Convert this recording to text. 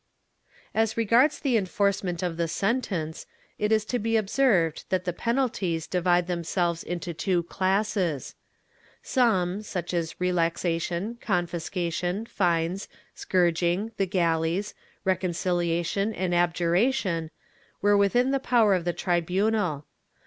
As regards the enforcement of the sentence, it is to be observed that the penalties divide themselves into two classes. Some, such as relaxation, confiscation, fines, scourging, the galleys, recon ciliation and abjuration, were within the power of the tribunal.